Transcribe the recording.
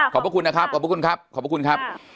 ขอบคุณนะครับขอบพระคุณครับขอบพระคุณครับ